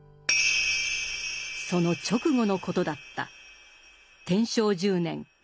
その直後のことだった。